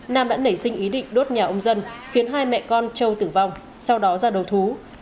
nam đã nảy sinh ý định đốt nhà ông dân khiến hai mẹ con châu tử vong sau đó ra đầu thú